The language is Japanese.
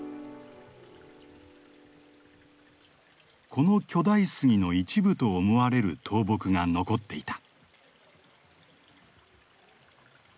この巨大杉の一部と思われる倒木が残っていた。